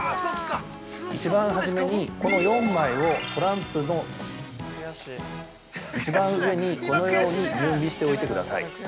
一番初めに、この４枚をトランプの一番上にこのように準備しておいてください。